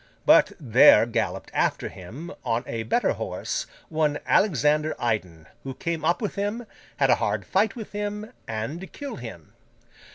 But, there galloped after him, on a better horse, one Alexander Iden, who came up with him, had a hard fight with him, and killed him.